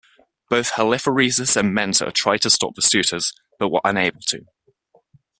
Both Halitherses and Mentor tried to stop the suitors, but were unable to.